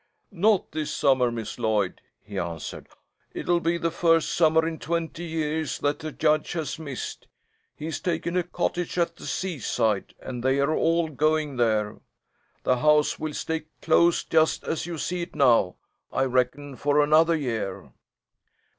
"Not this summer, Miss Lloyd," he answered. "It'll be the first summer in twenty years that the Judge has missed. He has taken a cottage at the seaside, and they're all going there. The house will stay closed, just as you see it now, I reckon, for another year."